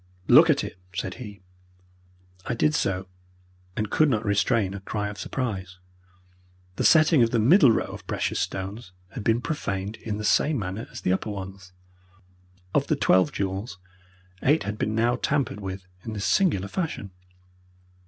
"Look at it," said he. I did so, and could not restrain a cry of surprise. The setting of the middle row of precious stones had been profaned in the same manner as the upper ones. Of the twelve jewels eight had been now tampered with in this singular fashion.